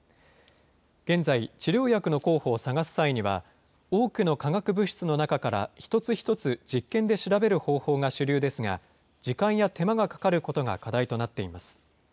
現在、治療薬の候補を探す際には、多くの化学物質の中から一つ一つ実験で調べる方法が主流ですが、時間や手間がかかることが課題となっています。